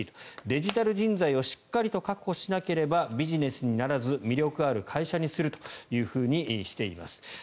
デジタル人材をしっかりと確保しなければビジネスにならず魅力ある会社にするとしています。